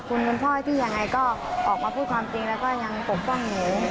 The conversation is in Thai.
คุณเป็นพ่อให้พี่ยังไงก็ออกมาพูดความจริงแล้วก็ยังปกป้องหนู